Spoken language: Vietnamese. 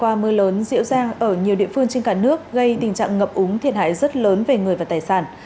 qua mưa lớn dịu dàng ở nhiều địa phương trên cả nước gây tình trạng ngập úng thiệt hại rất lớn về người và tài sản